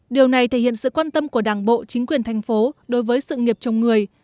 điều này thể hiện sự quan tâm của đảng bộ chính quyền thành phố đối với sự nghiệp chồng người